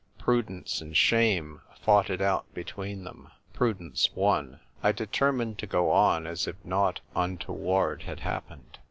Prudence and Shame fought it out between them. Prudence won. I de termined to go on as if nought untoward had happened.